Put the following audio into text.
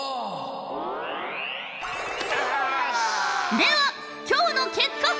では今日の結果発表！